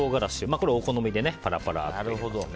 これはお好みでパラパラッと入れます。